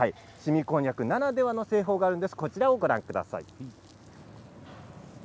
こんにゃくならではの製法があります。